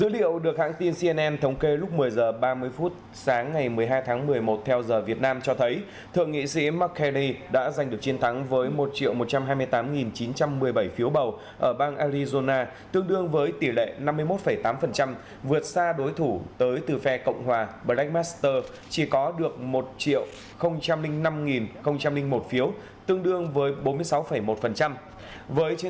thượng nghị sĩ của đảng dân chủ tại bang arizona là mark kelly đã giành chiến thắng trong cuộc đua vào thượng viện khi vượt qua ứng cử viên breakmaster của đảng cộng hòa